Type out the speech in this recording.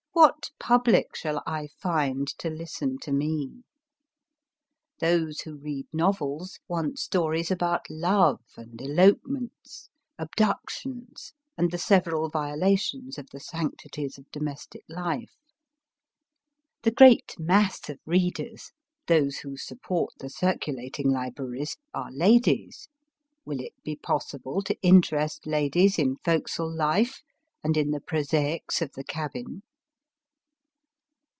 What public shall I find to listen to me ? Those who read novels want stories about love and elopements, abductions, and the several violations of the sanctities of domestic life, those who support the circulating libraries are ladies. Will it be possible to interest ladies in forecastle life and in the prosaics of the cabin